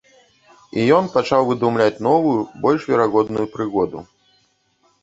І ён пачаў выдумляць новую, больш верагодную прыгоду.